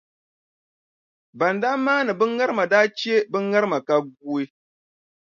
Ban daa maani bɛ ŋarima daa che bɛ ŋarima ka guui.